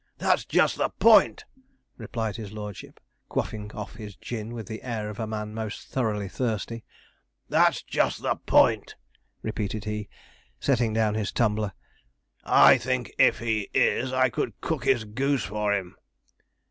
'That's just the point,' replied his lordship, quaffing off his gin with the air of a man most thoroughly thirsty; 'that's just the point,' repeated he, setting down his tumbler. 'I think if he is, I could cook his goose for him.'